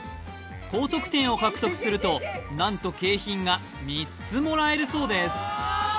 高得点を獲得すると何と景品が３つもらえるそうです